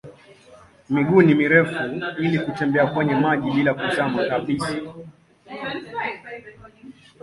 Miguu ni mirefu ili kutembea kwenye maji bila kuzama kabisa.